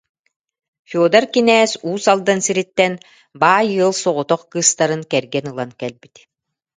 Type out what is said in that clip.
Федор кинээс Уус Алдан сириттэн баай ыал соҕотох кыыстарын кэргэн ылан кэлбит